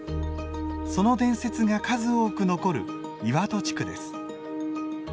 その伝説が数多く残る岩戸地区です。